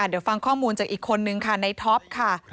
เดี๋ยวฟังข้อมูลจากอีกคนนึงค่ะในท็อปค่ะ